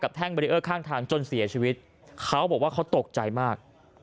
แท่งเบรีเออร์ข้างทางจนเสียชีวิตเขาบอกว่าเขาตกใจมาก